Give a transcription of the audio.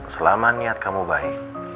selama niat kamu baik